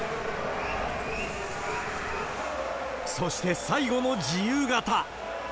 そして最後の自由形。